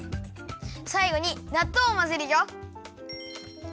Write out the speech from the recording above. さいごになっとうをまぜるよ。